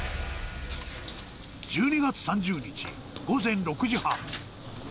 １２月３０日午前６時半。